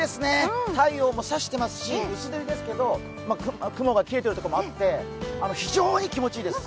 太陽もさしていますし、薄日ですけど雲が切れているところもあって、非常に気持ちいいです。